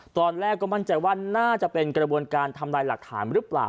ตอนแรกก็มั่นใจว่าน่าจะเป็นกระบวนการทำลายหลักฐานหรือเปล่า